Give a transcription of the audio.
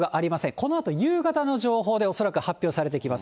このあと夕方の情報で恐らく発表されてきます。